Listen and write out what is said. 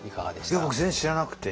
僕全然知らなくて。